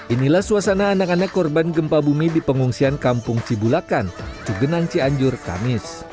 inilah suasana anak anak korban gempa bumi di pengungsian kampung cibulakan cugenang cianjur kamis